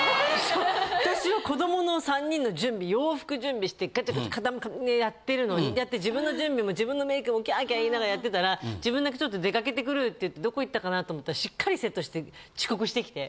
私は子どもの３人の準備洋服準備してガチャガチャやってるのに自分の準備も自分のメイクもギャーギャー言いながらやってたら自分だけちょっと出かけてくるって言ってどこ行ったかなと思ったらしっかりセットして遅刻してきて。